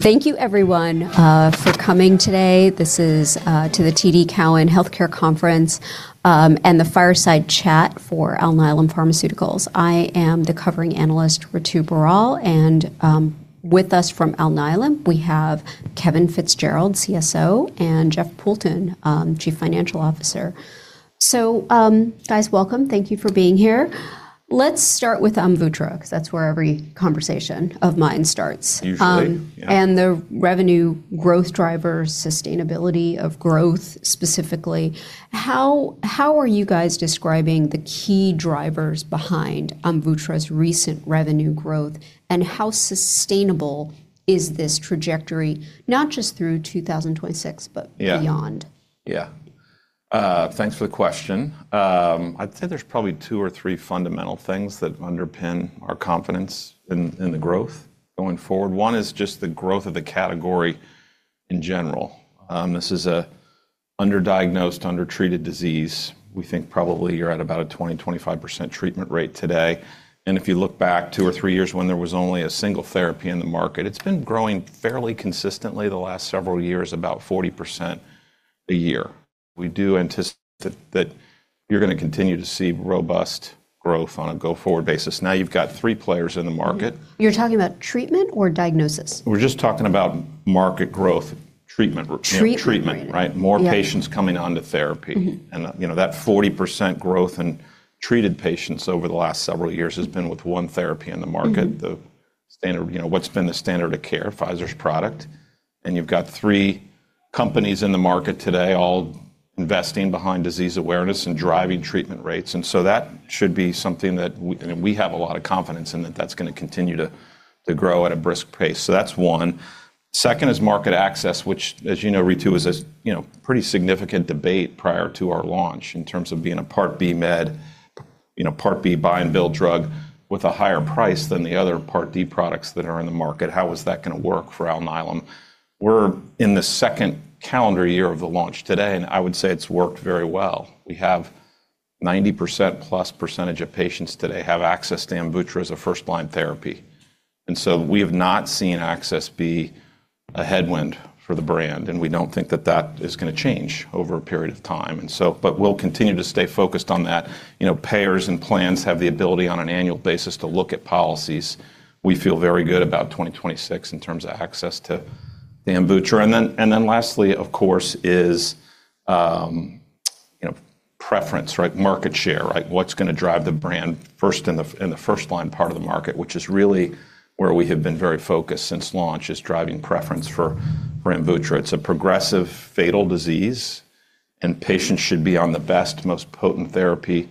Thank you everyone for coming today. This is to the TD Cowen Healthcare Conference and the fireside chat for Alnylam Pharmaceuticals. I am the covering analyst, Ritu Baral, and with us from Alnylam, we have Kevin Fitzgerald, CSO, and Jeff Poulton, Chief Financial Officer. Guys, welcome. Thank you for being here. Let's start with ONPATTRO because that's where every conversation of mine starts. Usually. Yeah. The revenue growth driver sustainability of growth specifically, how are you guys describing the key drivers behind AMVUTTRA's recent revenue growth, and how sustainable is this trajectory, not just through 2026, but? Yeah. Beyond? Yeah. thanks for the question. I'd say there's probably two or three fundamental things that underpin our confidence in the growth going forward. One is just the growth of the category in general. This is a under-diagnosed, under-treated disease. We think probably you're at about a 20%-25% treatment rate today. If you look back two or three years when there was only a single therapy in the market, it's been growing fairly consistently the last several years, about 40% a year. We do anticipate that you're gonna continue to see robust growth on a go-forward basis. Now you've got three players in the market. You're talking about treatment or diagnosis? We're just talking about market growth treatment. Treatment. Treatment, right. Yeah. More patients coming onto therapy. Mm-hmm. You know, that 40% growth in treated patients over the last several years has been with one therapy in the market. Mm-hmm. The standard, you know, what's been the standard of care, Pfizer's product. You've got three companies in the market today all investing behind disease awareness and driving treatment rates. That should be something that we have a lot of confidence in that that's gonna continue to grow at a brisk pace. That's one. Second is market access, which as you know, Ritu, is a, you know, pretty significant debate prior to our launch in terms of being a Part B med, you know, Part B buy and bill drug with a higher price than the other Part D products that are in the market. How is that gonna work for Alnylam? We're in the second calendar year of the launch today. I would say it's worked very well. We have 90%-plus percentage of patients today have access to AMVUTTRA as a first-line therapy, and so we have not seen access be a headwind for the brand, and we don't think that that is gonna change over a period of time. We'll continue to stay focused on that. You know, payers and plans have the ability on an annual basis to look at policies. We feel very good about 2026 in terms of access to the AMVUTTRA. Lastly, of course, is, you know, preference, right? Market share, right? What's gonna drive the brand first in the first-line part of the market, which is really where we have been very focused since launch, is driving preference for AMVUTTRA. It's a progressive fatal disease. Patients should be on the best, most potent therapy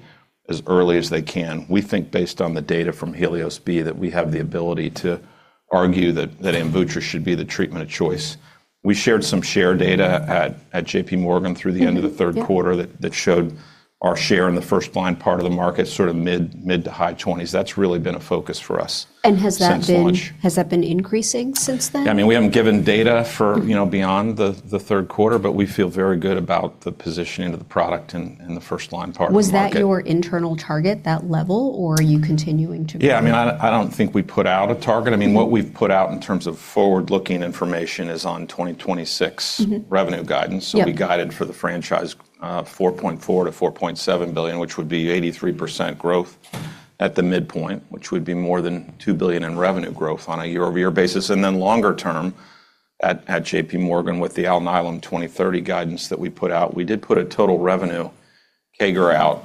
as early as they can. We think based on the data from HELIOS-B that we have the ability to argue that AMVUTTRA should be the treatment of choice. We shared some share data at JP Morgan through the end. Mm-hmm. Yeah. Of the third quarter that showed our share in the first line part of the market, sort of mid to high twenties. That's really been a focus for us. Has that been. Since launch. Has that been increasing since then? I mean, we haven't given data for, you know, beyond the third quarter, but we feel very good about the positioning of the product in the first-line part of the market. Was that your internal target, that level, or are you continuing to grow? Yeah, I mean, I don't think we put out a target. I mean, what we've put out in terms of forward-looking information is on 2026- Mm-hmm Revenue guidance. Yeah. We guided for the franchise, $4.4 billion-$4.7 billion, which would be 83% growth at the midpoint, which would be more than $2 billion in revenue growth on a year-over-year basis. Longer term, at JP Morgan with the Alnylam 2030 guidance that we put out, we did put a total revenue CAGR out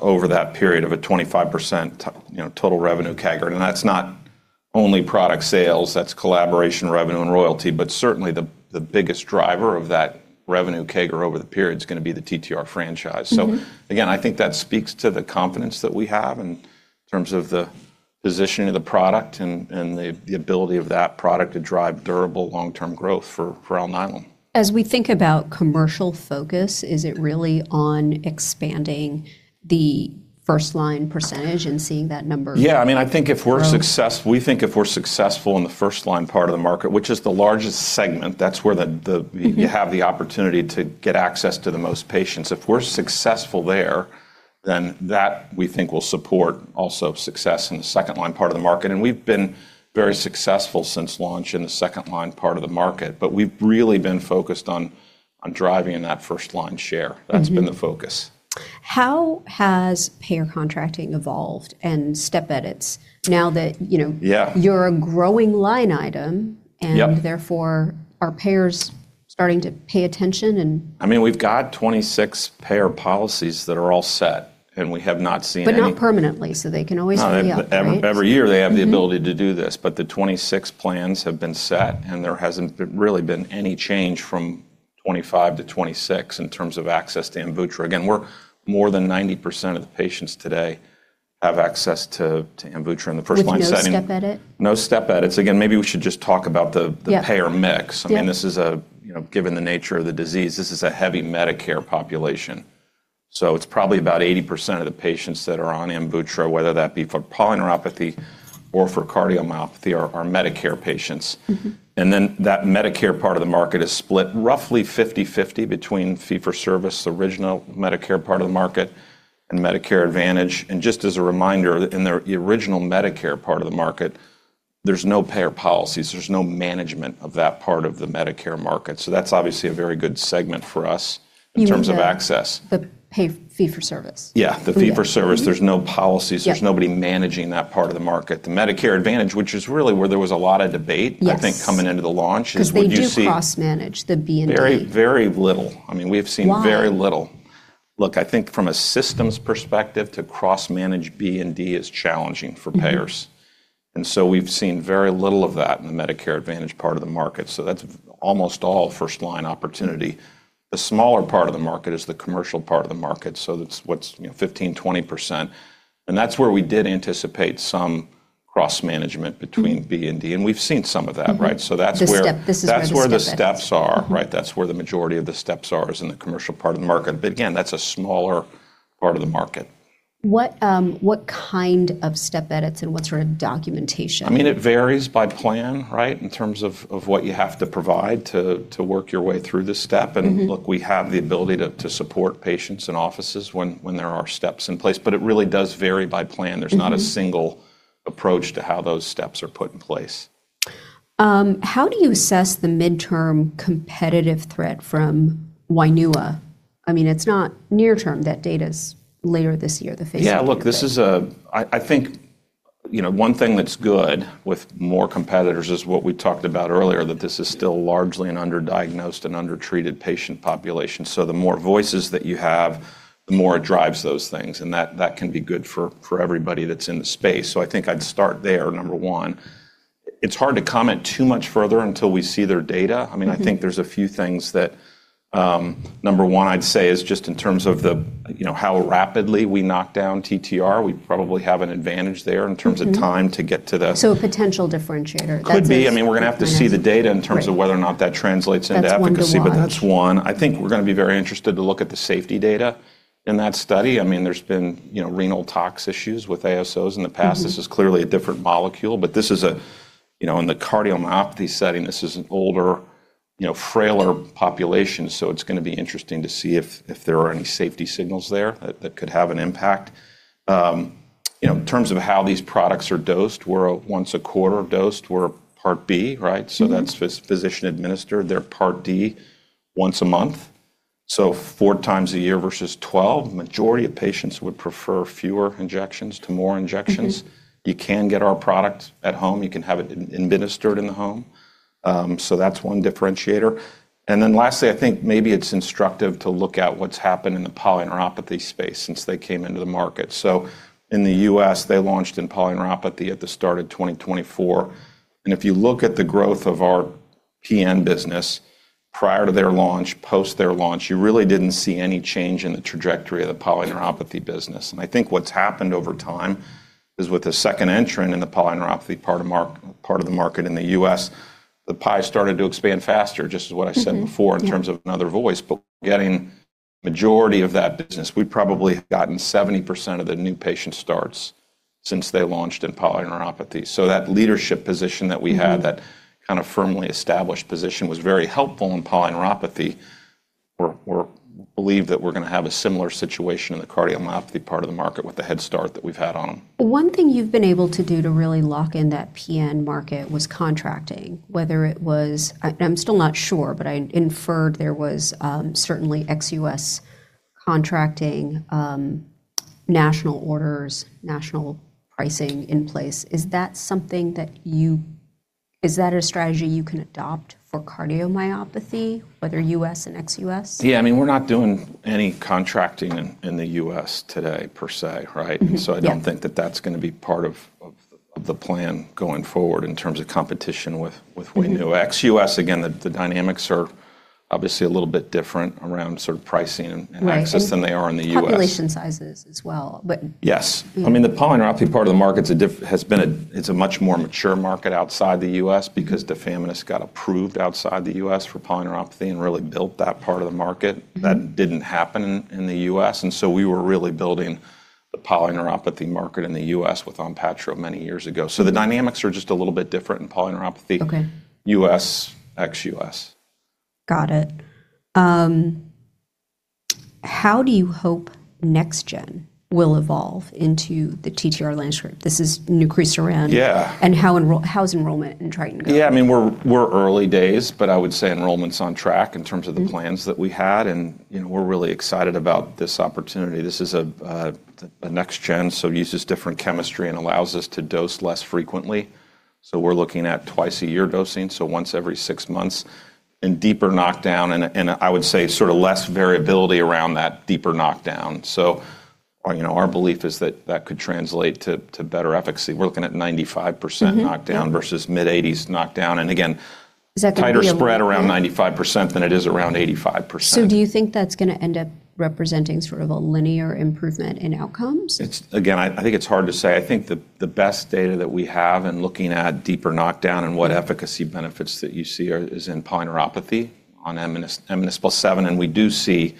over that period of a 25% to, you know, total revenue CAGR. That's not only product sales, that's collaboration revenue and royalty. Certainly the biggest driver of that revenue CAGR over the period is gonna be the TTR franchise. Mm-hmm. Again, I think that speaks to the confidence that we have in terms of the positioning of the product and the ability of that product to drive durable long-term growth for Alnylam. As we think about commercial focus, is it really on expanding the first-line % and seeing that number. Yeah, I mean, I think if we're successful in the first-line part of the market, which is the largest segment, that's where the. Mm-hmm. You have the opportunity to get access to the most patients. If we're successful there, then that we think will support also success in the second-line part of the market, and we've been very successful since launch in the second-line part of the market. We've really been focused on driving in that first-line share. Mm-hmm. That's been the focus. How has payer contracting evolved and step edits now that, you know? Yeah. You're a growing line item. Yep. Therefore are payers starting to pay attention? I mean, we've got 26 payer policies that are all set, and we have not seen any. Not permanently, so they can always be up, right? Every year they have the ability to do this, but the 26 plans have been set, and there hasn't been, really been any change from 25 to 26 in terms of access to AMVUTTRA. We're more than 90% of the patients today have access to AMVUTTRA in the first-line setting. With no step edit? No step edits. Again, maybe we should just talk about the. Yeah. Payer mix. Yeah. I mean, this is a, you know, given the nature of the disease, this is a heavy Medicare population. It's probably about 80% of the patients that are on AMVUTTRA, whether that be for polyneuropathy or for cardiomyopathy, are Medicare patients. Mm-hmm. That Medicare part of the market is split roughly 50/50 between fee for service, the original Medicare part of the market, and Medicare Advantage. Just as a reminder, in the original Medicare part of the market, there's no payer policies. There's no management of that part of the Medicare market. That's obviously a very good segment for us in terms of access. You mean the pay fee for service? Yeah, the. Free. For service. There's no policies. Yep. There's nobody managing that part of the market. The Medicare Advantage, which is really where there was a lot of debate. Yes. I think coming into the launch is what you see. They do cross manage the B and D. Very, very little. I mean, we've seen. Why? Very little. Look, I think from a systems perspective to cross manage B and D is challenging for payers. Mm-hmm. We've seen very little of that in the Medicare Advantage part of the market, so that's almost all first line opportunity. The smaller part of the market is the commercial part of the market, so that's what's, you know, 15%-20%, and that's where we did anticipate some cross management. Mm-hmm. B and D. We've seen some of that, right? Mm-hmm. That's. This is where the step edits. That's where the steps are. Mm-hmm. Right. That's where the majority of the steps are is in the commercial part of the market. Again, that's a smaller part of the market. What, what kind of step edits and what sort of documentation? I mean, it varies by plan, right, in terms of what you have to provide to work your way through the step. Mm-hmm. Look, we have the ability to support patients and offices when there are steps in place. It really does vary by plan. Mm-hmm. There's not a single approach to how those steps are put in place. How do you assess the midterm competitive threat from WAINUA? I mean, it's not near term. That data's later this year, the phase III. Yeah, look, I think, you know, one thing that's good with more competitors is what we talked about earlier, that this is still largely an underdiagnosed and undertreated patient population. The more voices that you have, the more it drives those things, and that can be good for everybody that's in the space. I think I'd start there, number one. It's hard to comment too much further until we see their data. Mm-hmm. I mean, I think there's a few things that, number one I'd say is just in terms of the, you know, how rapidly we knock down TTR. We probably have an advantage there. Mm-hmm In terms of time to get to. A potential differentiator. That's. Could be. I mean, we're gonna have to see the data in terms of. Right. Whether or not that translates into efficacy. That's one nuance. That's one. I think we're gonna be very interested to look at the safety data in that study. I mean, there's been, you know, renal tox issues with ASOs in the past. Mm-hmm. This is clearly a different molecule, this is a, you know, in the cardiomyopathy setting, this is an older, you know, frailer population, so it's gonna be interesting to see if there are any safety signals there that could have an impact. In terms of how these products are dosed, we're a once a quarter dosed. We're Part B, right? Mm-hmm. That's physician administered. They're Part D, once a month, so 4 times a year versus 12. Majority of patients would prefer fewer injections to more injections. Mm-hmm. You can get our product at home. You can have it ad-administered in the home. That's one differentiator. Lastly, I think maybe it's instructive to look at what's happened in the polyneuropathy space since they came into the market. In the U.S., they launched in polyneuropathy at the start of 2024, and if you look at the growth of our PN business prior to their launch, post their launch, you really didn't see any change in the trajectory of the polyneuropathy business. I think what's happened over time is with the second entrant in the polyneuropathy part of the market in the U.S., the pie started to expand faster, just as what I said. Mm-hmm. Before in terms of another voice. We're getting majority of that business. We've probably gotten 70% of the new patient starts since they launched in polyneuropathy. That leadership position that we had. Mm-hmm. That kind of firmly established position was very helpful in polyneuropathy. We believe that we're gonna have a similar situation in the cardiomyopathy part of the market with the head start that we've had on them. One thing you've been able to do to really lock in that PN market was contracting, whether it was I'm still not sure, but I inferred there was certainly ex-US contracting, national orders, national pricing in place. Is that a strategy you can adopt for cardiomyopathy, whether US and ex-US? Yeah, I mean, we're not doing any contracting in the US today per se, right? Mm-hmm. Yep. I don't think that that's gonna be part of the plan going forward in terms of competition with WAINUA. Mm-hmm. Ex-US, again, the dynamics are obviously a little bit different around sort of pricing and access. Right. Than they are in the U.S. Population sizes as well. Yes. Mm-hmm. I mean, the polyneuropathy part of the market, it's a much more mature market outside the US because tafamidis got approved outside the US for polyneuropathy and really built that part of the market. Mm-hmm. That didn't happen in the U.S. We were really building the polyneuropathy market in the U.S. with ONPATTRO many years ago. Mm-hmm. The dynamics are just a little bit different in polyneuropathy. Okay. U.S., ex-U.S. Got it. How do you hope next gen will evolve into the TTR landscape? This is nucresiran. Yeah. How's enrollment in TRITON going? Yeah, I mean, we're early days, but I would say enrollment's on track in terms of. Mm-hmm The plans that we had. You know, we're really excited about this opportunity. This is a next gen, so uses different chemistry and allows us to dose less frequently. We're looking at twice-a-year dosing, so once every six months, and deeper knockdown and a, I would say, sort of less variability around that deeper knockdown. Our, you know, our belief is that that could translate to better efficacy. We're looking at 95%. Mm-hmm Knockdown versus mid-80s knockdown. Is that gonna be? Tighter spread around 95% than it is around 85%. Do you think that's gonna end up representing sort of a linear improvement in outcomes? Again, I think it's hard to say. I think the best data that we have in looking at deeper knockdown and what efficacy benefits that you see are, is in polyneuropathy on mNIS+7, and we do see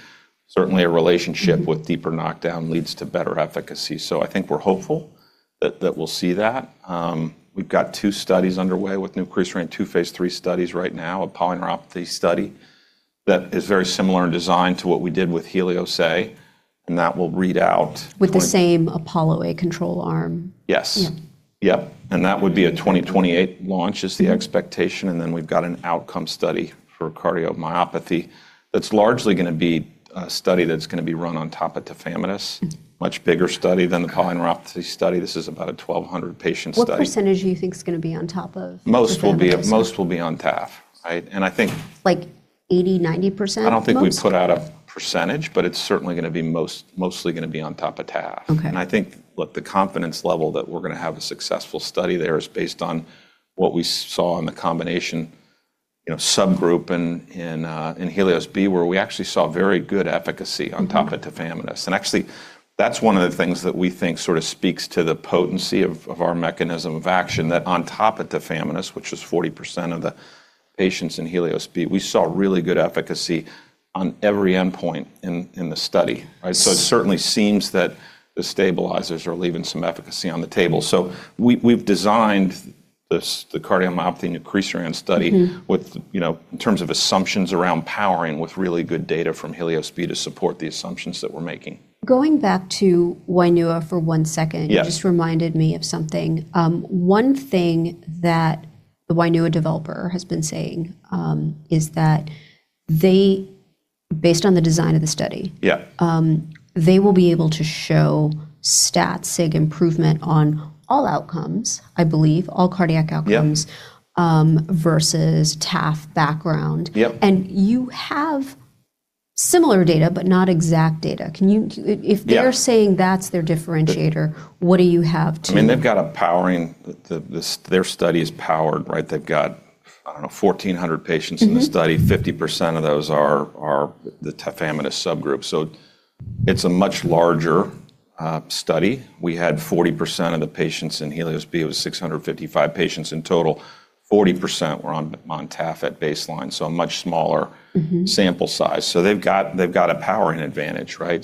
certainly a relationship with deeper knockdown leads to better efficacy. I think we're hopeful that we'll see that. We've got two studies underway with nucresiran two phase III studies right now, a polyneuropathy study that is very similar in design to what we did with HELIOS-A. That will read out. With the same APOLLO A control arm? Yes. Yeah. Yeah. That would be a 2028 launch is the expectation. We've got an outcome study for cardiomyopathy that's largely gonna be a study that's gonna be run on top of tafamidis. Much bigger study than the polyneuropathy study. This is about a 1,200 patient study. What % do you think is gonna be on top of tafamidis? Most will be on taf, right? Like 80-90% most? I don't think we've put out a %, but it's certainly gonna be mostly gonna be on top of Taf. Okay. I think, look, the confidence level that we're gonna have a successful study there is based on what we saw in the combination, you know, subgroup in HELIOS-B, where we actually saw very good efficacy on top of tafamidis. Actually, that's one of the things that we think sort of speaks to the potency of our mechanism of action, that on top of tafamidis, which was 40% of the patients in HELIOS-B, we saw really good efficacy on every endpoint in the study, right? It certainly seems that the stabilizers are leaving some efficacy on the table. We've designed this, the cardiomyopathy nucinersen study. Mm-hmm. With, you know, in terms of assumptions around powering with really good data from HELIOS-B to support the assumptions that we're making. Going back to WAINUA for one second. Yeah. You just reminded me of something. One thing that the WAINUA developer has been saying, is that they, based on the design of the study. Yeah They will be able to show stat sig improvement on all outcomes, I believe, all cardiac outcomes. Yeah. Versus Taf background. Yep. You have similar data, but not exact data. Can you. Yeah. Saying that's their differentiator, what do you have. I mean, they've got a powering, the their study is powered, right? They've got, I don't know, 1,400 patients in the study. 50% of those are the tafamidis subgroup. It's a much larger study. We had 40% of the patients in HELIOS-B. It was 655 patients in total. 40% were on taf at baseline, so a much smaller. Mm-hmm. sample size. They've got a powering advantage, right?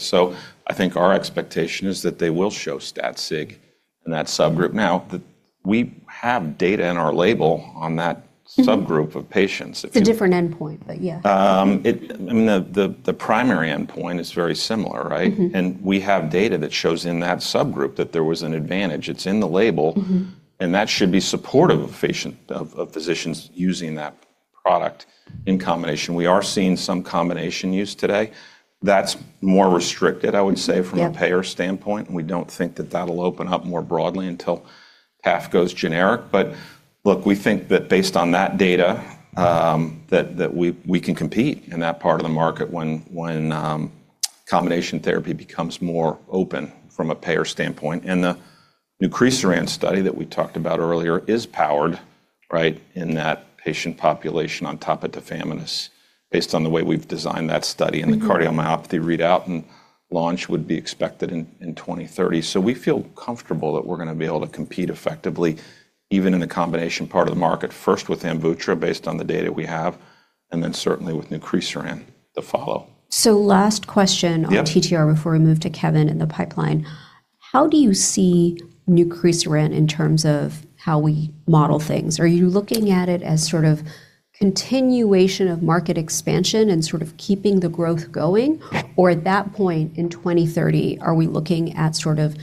I think our expectation is that they will show stat sig in that subgroup. We have data in our label on that. Mm-hmm. Subgroup of patients. It's a different endpoint, but yeah. I mean, the primary endpoint is very similar, right? Mm-hmm. We have data that shows in that subgroup that there was an advantage. It's in the label. Mm-hmm. That should be supportive of patient, of physicians using that product in combination. We are seeing some combination use today. That's more restricted, I would say. Yeah. from a payer standpoint, and we don't think that that'll open up more broadly until Taf goes generic. Look, we think that based on that data, that we can compete in that part of the market when combination therapy becomes more open from a payer standpoint. The nucinersen study that we talked about earlier is powered, right, in that patient population on top of tafamidis based on the way we've designed that study. Mm-hmm. The cardiomyopathy readout and launch would be expected in 2030. We feel comfortable that we're gonna be able to compete effectively, even in the combination part of the market, first with AMVUTTRA based on the data we have, and then certainly with nucinersen to follow. Last question. Yeah. On TTR before we move to Kevin and the pipeline. How do you see nucinersen in terms of how we model things? Are you looking at it as sort of continuation of market expansion and sort of keeping the growth going? Or at that point in 2030, are we looking at sort of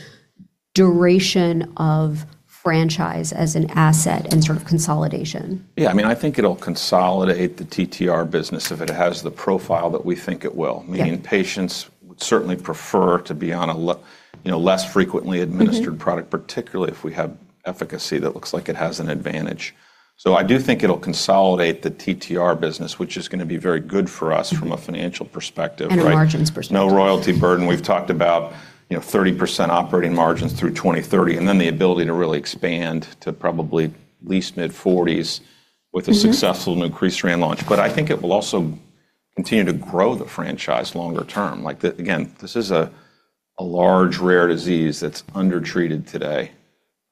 duration of franchise as an asset and sort of consolidation? Yeah. I mean, I think it'll consolidate the TTR business if it has the profile that we think it will. Yeah. Patients would certainly prefer to be on a you know, less frequently administered product. Mm-hmm. Particularly if we have efficacy that looks like it has an advantage. I do think it'll consolidate the TTR business, which is gonna be very good for us from a financial perspective, right? A margins perspective. No royalty burden. We've talked about, you know, 30% operating margins through 2030, and then the ability to really expand to probably at least mid-40s% with. Mm-hmm. A successful nucinersen launch. I think it will also continue to grow the franchise longer term. Again, this is a large rare disease that's undertreated today.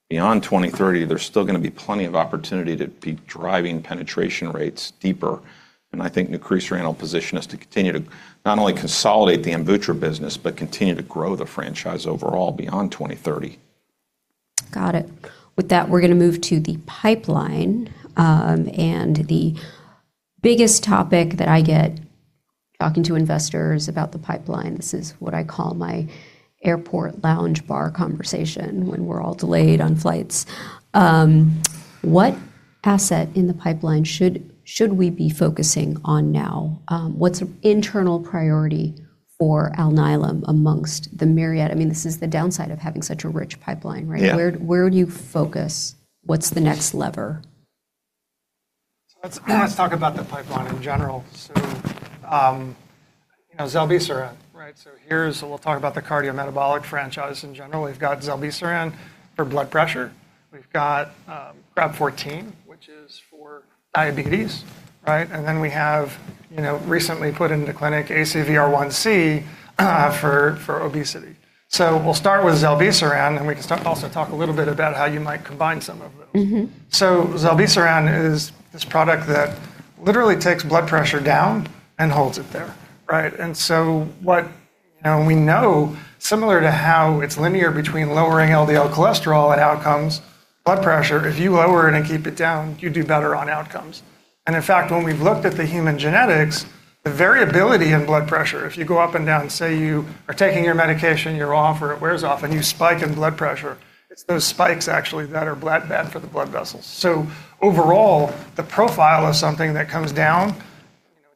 Beyond 2030, there's still gonna be plenty of opportunity to be driving penetration rates deeper, and I think nucinersen will position us to continue to not only consolidate the AMVUTTRA business, but continue to grow the franchise overall beyond 2030. Got it. With that, we're gonna move to the pipeline, and the biggest topic that I get talking to investors about the pipeline, this is what I call my airport lounge bar conversation when we're all delayed on flights. What asset in the pipeline should we be focusing on now? What's an internal priority for Alnylam amongst the myriad? I mean, this is the downside of having such a rich pipeline, right? Yeah. Where do you focus? What's the next lever? Let's talk about the pipeline in general. You know, zilebesiran, right? We'll talk about the cardiometabolic franchise in general. We've got zilebesiran for blood pressure. We've got REV-14, which is for diabetes, right? We have, you know, recently put into clinic ACVR1C for obesity. We'll start with zilebesiran, and we can also talk a little bit about how you might combine some of those. Mm-hmm. Zilebesiran is this product that Literally takes blood pressure down and holds it there, right? What, you know, we know similar to how it's linear between lowering LDL cholesterol and outcomes, blood pressure, if you lower it and keep it down, you do better on outcomes. In fact, when we've looked at the human genetics, the variability in blood pressure, if you go up and down, say you are taking your medication, you're off, or it wears off, and you spike in blood pressure, it's those spikes actually that are bad for the blood vessels. Overall, the profile of something that comes down,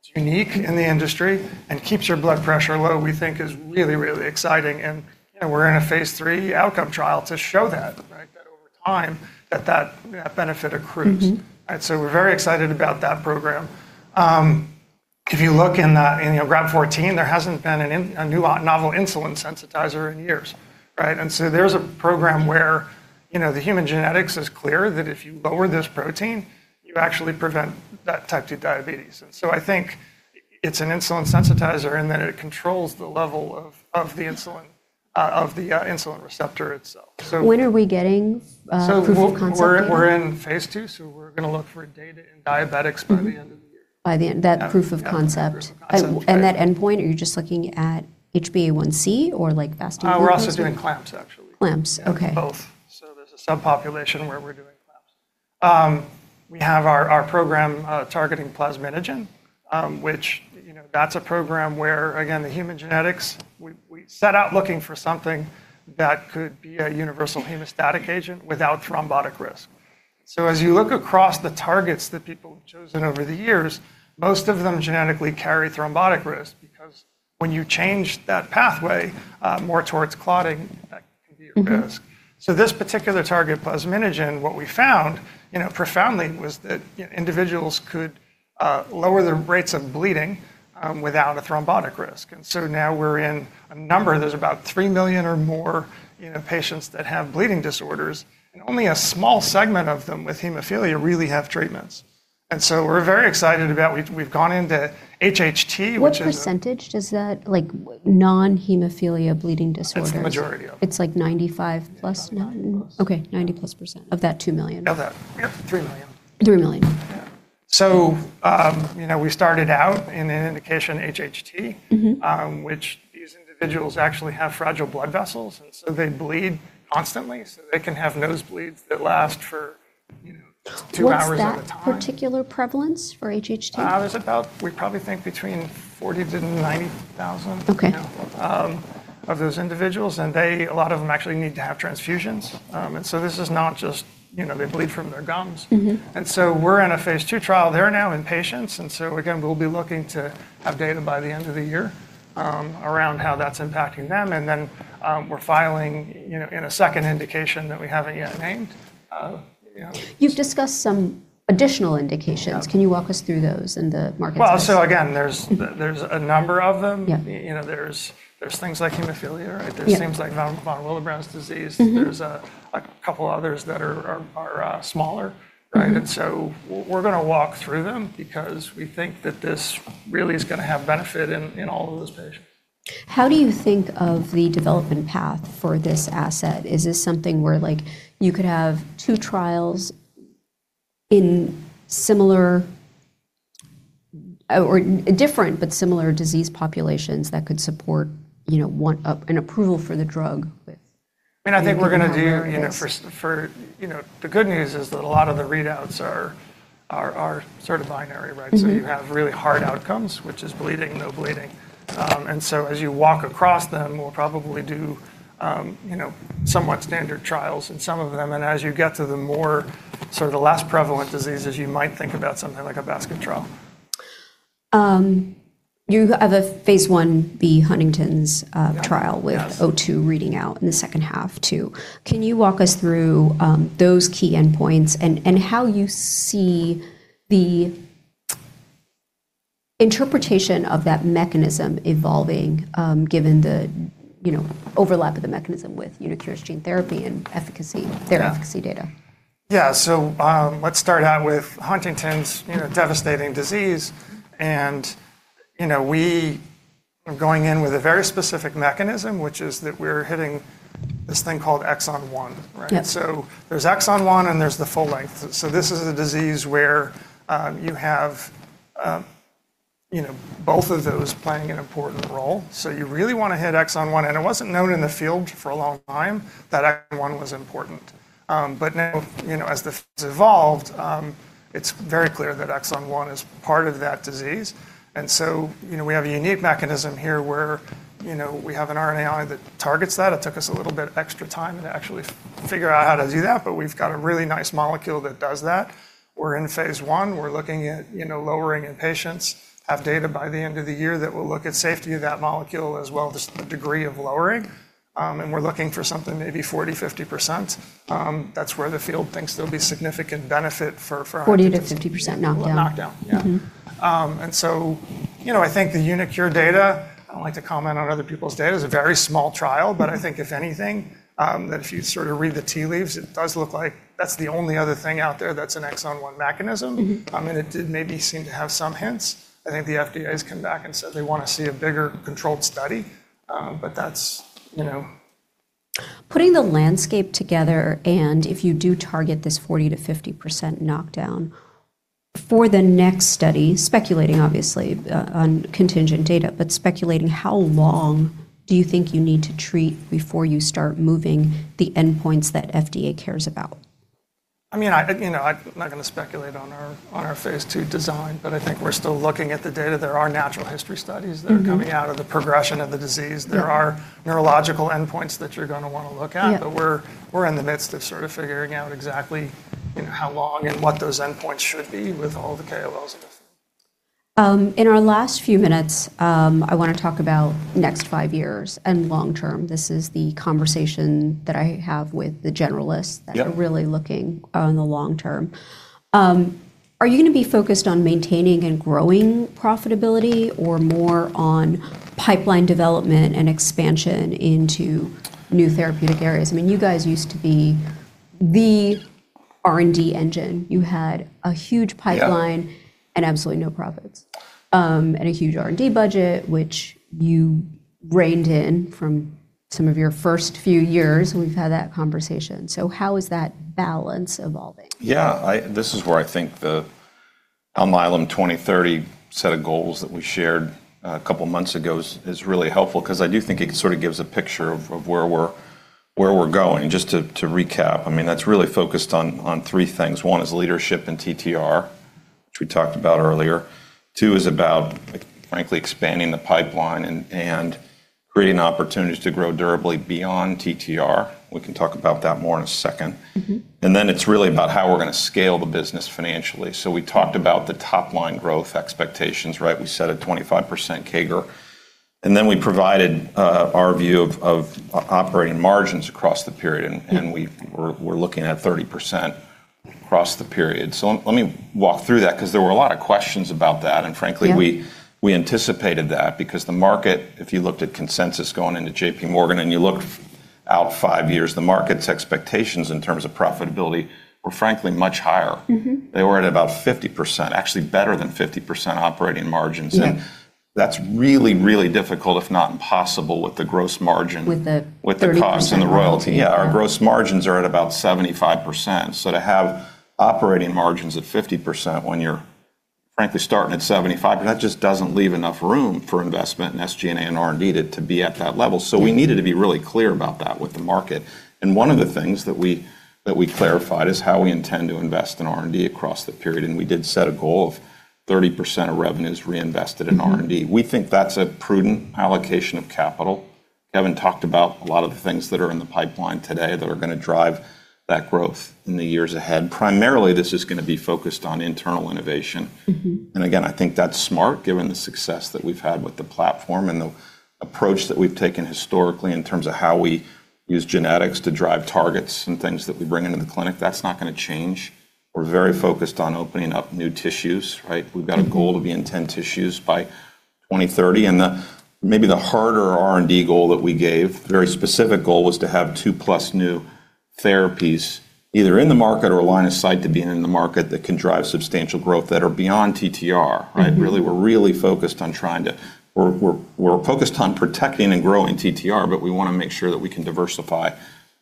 you know, it's unique in the industry and keeps your blood pressure low, we think is really, really exciting. We're in a phase III outcome trial to show that, right? That over time, that benefit accrues. Mm-hmm. We're very excited about that program. If you look in the, you know, REV-14, there hasn't been a new novel insulin sensitizer in years, right? There's a program where, you know, the human genetics is clear that if you lower this protein, you actually prevent that type 2 diabetes. I think it's an insulin sensitizer, and then it controls the level of the insulin, of the insulin receptor itself. When are we getting proof of concept here? We're in phase II. We're gonna look for data in diabetics. Mm-hmm. By the end of the year. By the end. That proof of concept. That proof of concept. Right. That endpoint, are you just looking at HbA1c or fasting glucose? We're also doing clamps, actually. Clamps. Okay. Both. There's a subpopulation where we're doing clamps. We have our program targeting plasminogen, which, you know, that's a program where again, the human genetics, we set out looking for something that could be a universal hemostatic agent without thrombotic risk. As you look across the targets that people have chosen over the years, most of them genetically carry thrombotic risk because when you change that pathway more towards clotting, that can be a risk. Mm-hmm. This particular target, plasminogen, what we found, you know, profoundly was that, you know, individuals could lower their rates of bleeding without a thrombotic risk. Now we're in a number. There's about 3 million or more, you know, patients that have bleeding disorders, and only a small segment of them with hemophilia really have treatments. We're very excited about we've gone into HHT. What % does that, like, non-hemophilia bleeding disorders. It's the majority of them. It's like 95+ now? 90+. Okay. 90%+ of that $2 million. Of that. Yep, $3 million. $3 million. Yeah. you know, we started out in an indication HHT. Mm-hmm. Which these individuals actually have fragile blood vessels, and so they bleed constantly. They can have nosebleeds that last for, you know, 2 hours at a time. What's that particular prevalence for HHT? there's about, we probably think between 40 to 90,000. Okay. You know, of those individuals, a lot of them actually need to have transfusions. This is not just, you know, they bleed from their gums. Mm-hmm. We're in a phase II trial. They're now in patients. Again, we'll be looking to have data by the end of the year, around how that's impacting them. Then, we're filing, you know, in a second indication that we haven't yet named. You know. You've discussed some additional indications. Yeah. Can you walk us through those and the market space? Again, there's a number of them. Yeah. You know, there's things like hemophilia, right? Yeah. There's things like von Willebrand disease. Mm-hmm. There's a couple others that are smaller, right? Mm-hmm. We're gonna walk through them because we think that this really is gonna have benefit in all of those patients. How do you think of the development path for this asset? Is this something where, like, you could have two trials in similar or different but similar disease populations that could support, you know, one an approval for the drug with. I mean, I think we're going to do, you know, for you know, the good news is that a lot of the readouts are sort of binary, right? Mm-hmm. You have really hard outcomes, which is bleeding, no bleeding. As you walk across them, we'll probably do, you know, somewhat standard trials in some of them, and as you get to the more sort of the less prevalent diseases, you might think about something like a basket trial. You have a phase I-B Huntington's. Yes. With O2 reading out in the second half too. Can you walk us through, those key endpoints and how you see the interpretation of that mechanism evolving, given the, you know, overlap of the mechanism with uniQure's gene therapy and therapy efficacy data? Yeah. Let's start out with Huntington's, you know, devastating disease, and, you know, we are going in with a very specific mechanism, which is that we're hitting this thing called exon 1, right? Yep. There's exon 1, and there's the full length. This is a disease where, you have, you know, both of those playing an important role. You really wanna hit exon 1, and it wasn't known in the field for a long time that exon 1 was important. But now, you know, as this evolved, it's very clear that exon 1 is part of that disease. You know, we have a unique mechanism here where, you know, we have an RNAi that targets that. It took us a little bit extra time to actually figure out how to do that, but we've got a really nice molecule that does that. We're in phase I. We're looking at, you know, lowering in patients, have data by the end of the year that will look at safety of that molecule as well as the degree of lowering. We're looking for something maybe 40%, 50%. That's where the field thinks there'll be significant benefit for. 40%-50% knockdown. Knockdown. Yeah. Mm-hmm. You know, I think the uniQure data, I don't like to comment on other people's data, is a very small trial, but I think if anything, that if you sort of read the tea leaves, it does look like that's the only other thing out there that's an exon 1 mechanism. Mm-hmm. I mean, it did maybe seem to have some hints. I think the FDA has come back and said they wanna see a bigger controlled study, but that's, you know. Putting the landscape together, and if you do target this 40%-50% knockdown for the next study, speculating obviously on contingent data, but speculating, how long do you think you need to treat before you start moving the endpoints that FDA cares about? I mean, I, you know, I'm not gonna speculate on our phase II design, but I think we're still looking at the data. There are natural history studies. Mm-hmm. That are coming out of the progression of the disease. Yeah. There are neurological endpoints that you're gonna wanna look at. Yeah. We're in the midst of sort of figuring out exactly, you know, how long and what those endpoints should be with all the KOLs in this. In our last 5 minutes, I wanna talk about next 5 years and long term. This is the conversation that I have with the generalists. Yeah. That are really looking on the long term. Are you gonna be focused on maintaining and growing profitability or more on pipeline development and expansion into new therapeutic areas? I mean, you guys used to be the R&D engine. You had a huge pipeline. Yeah. And absolutely no profits, and a huge R&D budget, which you reined in from some of your first few years. We've had that conversation. How is that balance evolving? Yeah. This is where I think the Alnylam 2030 set of goals that we shared a couple months ago is really helpful because I do think it sort of gives a picture of where we're going. Just to recap, I mean, that's really focused on three things. One is leadership and TTR, which we talked about earlier. Two is about, like, frankly expanding the pipeline and creating opportunities to grow durably beyond TTR. We can talk about that more in a second. Mm-hmm. It's really about how we're gonna scale the business financially. We talked about the top line growth expectations, right? We set a 25% CAGR, and then we provided our view of operating margins across the period. Mm-hmm. And we're looking at 30% across the period. Let me walk through that 'cause there were a lot of questions about that, and frankly. Yeah. We anticipated that because the market, if you looked at consensus going into JP Morgan and you looked out five years, the market's expectations in terms of profitability were frankly much higher. Mm-hmm. They were at about 50%, actually better than 50% operating margins. Yeah. That's really difficult, if not impossible, with the gross margin. With the 30%. With the cost and the royalty. Yeah. Our gross margins are at about 75%, so to have operating margins at 50% when you're frankly starting at 75, that just doesn't leave enough room for investment in SG&A and R&D to be at that level. We needed to be really clear about that with the market, and one of the things that we clarified is how we intend to invest in R&D across the period, and we did set a goal of 30% of revenues reinvested in R&D. Mm-hmm. We think that's a prudent allocation of capital. Kevin talked about a lot of the things that are in the pipeline today that are gonna drive that growth in the years ahead. Primarily, this is gonna be focused on internal innovation. Mm-hmm. Again, I think that's smart given the success that we've had with the platform and the approach that we've taken historically in terms of how we use genetics to drive targets and things that we bring into the clinic. That's not gonna change. We're very focused on opening up new tissues, right? Mm-hmm. We've got a goal to be in 10 tissues by 2030, and the, maybe the harder R&D goal that we gave, very specific goal, was to have 2 plus new therapies either in the market or a line of sight to being in the market that can drive substantial growth that are beyond TTR, right? Mm-hmm. We're focused on protecting and growing TTR, we wanna make sure that we can diversify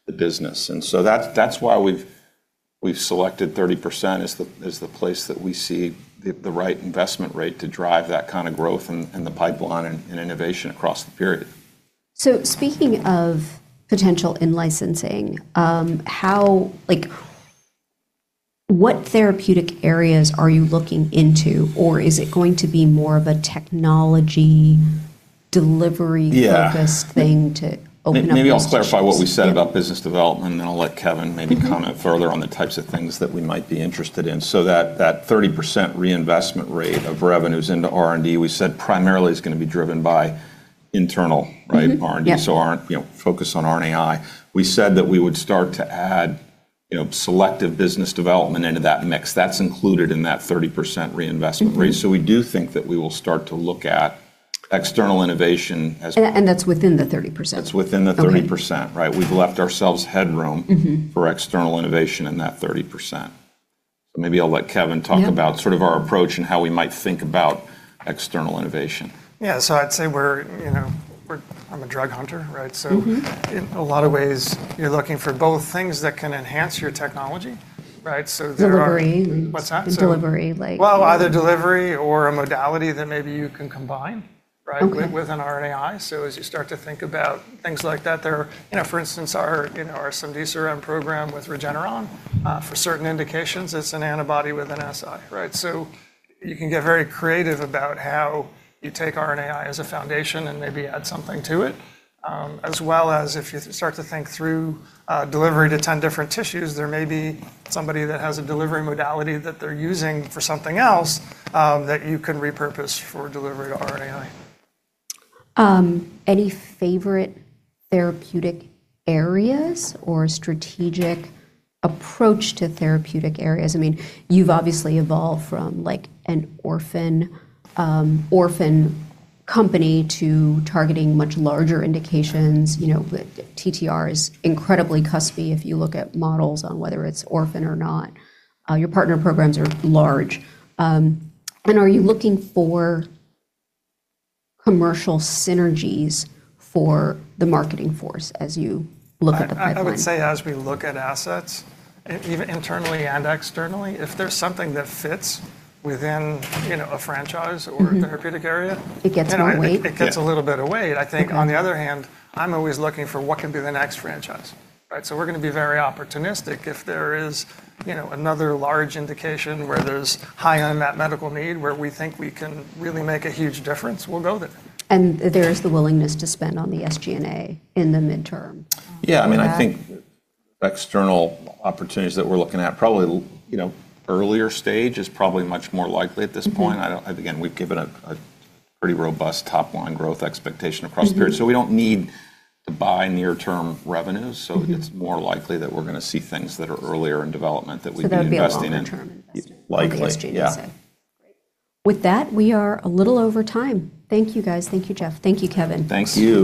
the business. That's why we've selected 30% as the place that we see the right investment rate to drive that kind of growth in the pipeline and innovation across the period. Speaking of potential in licensing, like, what therapeutic areas are you looking into, or is it going to be more of a technology delivery-? Yeah.. focused thing to open up new tissues? Maybe I'll specify what we said about business development, then I'll let Kevin maybe comment further on the types of things that we might be interested in. That 30% reinvestment rate of revenues into R&D we said primarily is gonna be driven by internal. Mm-hmm R&D. Yeah. Our, you know, focus on RNAi. We said that we would start to add, you know, selective business development into that mix. That's included in that 30% reinvestment rate. Mm-hmm. We do think that we will start to look at external innovation. That's within the 30%? That's within the 30%. Okay. Right? We've left ourselves headroom. Mm-hmm. For external innovation in that 30%. Maybe I'll let Kevin talk about. Yeah. Sort of our approach and how we might think about external innovation. Yeah. I'd say we're, you know, I'm a drug hunter, right? Mm-hmm. In a lot of ways you're looking for both things that can enhance your technology, right? Delivery. What's that? Sorry. Delivery, like. Well, either delivery or a modality that maybe you can combine, right? Okay. With an RNAi. As you start to think about things like that, there are. You know, for instance, our, you know, our cemdisiran program with Regeneron, for certain indications, it's an antibody with an SI, right? You can get very creative about how you take RNAi as a foundation and maybe add something to it, as well as if you start to think through delivery to 10 different tissues, there may be somebody that has a delivery modality that they're using for something else, that you can repurpose for delivery to RNAi. Any favorite therapeutic areas or strategic approach to therapeutic areas? I mean, you've obviously evolved from, like, an orphan company to targeting much larger indications. You know, the TTR is incredibly cuspy if you look at models on whether it's orphan or not. Your partner programs are large. Are you looking for commercial synergies for the marketing force as you look at the pipeline? I would say as we look at assets, even internally and externally, if there's something that fits within, you know, a franchise. Mm-hmm. A therapeutic area It gets some weight? Yeah. It gets a little bit of weight, I think. Okay. On the other hand, I'm always looking for what can be the next franchise, right? We're gonna be very opportunistic. If there is, you know, another large indication where there's high unmet medical need where we think we can really make a huge difference, we'll go there. There is the willingness to spend on the SG&A in the midterm on all that? Yeah. I mean, I think the external opportunities that we're looking at probably you know, earlier stage is probably much more likely at this point. Mm-hmm. Again, we've given a pretty robust top line growth expectation across the period. Mm-hmm. We don't need to buy near term revenues. Mm-hmm. It's more likely that we're gonna see things that are earlier in development that we'd be investing in. That would be a longer term investment. Likely, yeah. on the SG&A side. Great. With that, we are a little over time. Thank you, guys. Thank you, Jeff. Thank you, Kevin. Thank you.